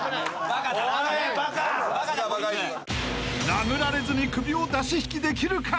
［殴られずに首を出し引きできるか？］